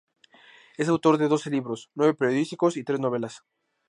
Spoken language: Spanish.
Es autor de doce libros, nueve periodísticos y tres novelas.